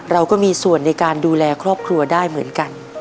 เราก็มีส่วนในการดูแลครอบครัวได้เหมือนกัน